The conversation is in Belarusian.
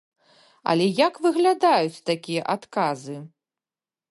Але як выглядаюць такія адказы?